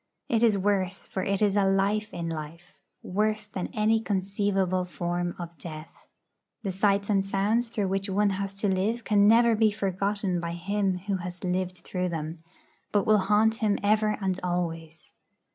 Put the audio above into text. It is worse; for it is a life in life, worse than any conceivable form of death. The sights and sounds through which one has to live can never be forgotten by him who has lived through them, but will haunt him ever and always.